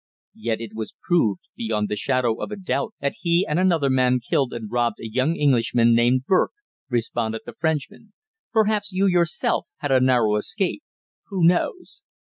"Yet it was proved beyond the shadow of a doubt that he and another man killed and robbed a young Englishman named Burke," responded the Frenchman. "Perhaps you, yourself, had a narrow escape. Who knows?